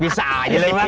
bisa aja lah bang